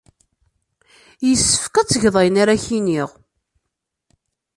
Yessefk ad tgeḍ ayen ara ak-iniɣ.